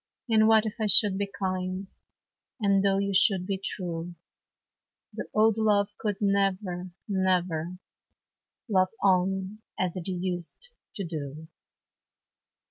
And what if I should be kind? And though you should be true? The old love could never, never Love on as it used to do.